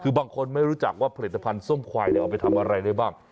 คือบางคนไม่รู้จักว่าผลิตภัณฑ์ส้มควายเอาไปทำอะไรได้บ้าง